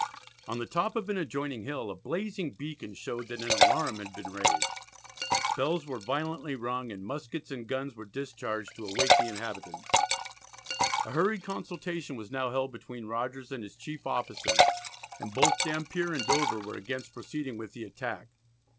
On the top of an adjoining hill a blazing beacon showed that an alarum had been raised. Bells were violently rung, and muskets and guns were discharged to awake the inhabitants. A hurried consultation was now held between Rogers and his chief officers, and both Dampier and Dover were against proceeding with the attack.